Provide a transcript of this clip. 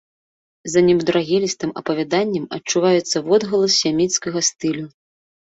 За немудрагелістым апавяданнем адчуваецца водгалас семіцкага стылю.